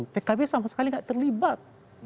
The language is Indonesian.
pkb sama sekali tidak terlibat